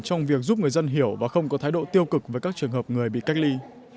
trong việc giúp người dân hiểu và không có thái độ tiêu cực với các trường hợp người bị cách ly